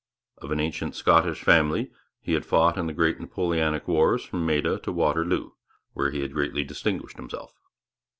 Of an ancient Scottish family, he had fought in the great Napoleonic wars from Maida to Waterloo, where he had greatly distinguished himself.